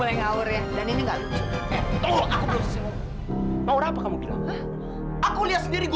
jangan pernah panggil saya ayah